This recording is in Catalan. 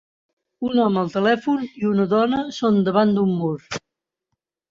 Un home al telèfon i una dona són davant d'un mur.